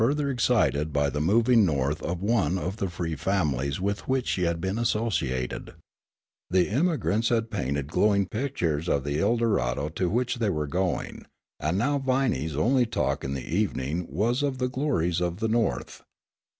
She was further excited by the moving North of one of the free families with which she had been associated. The emigrants had painted glowing pictures of the Eldorado to which they were going, and now Viney's only talk in the evening was of the glories of the North.